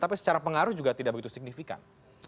tapi secara pengaruh juga tidak begitu signifikan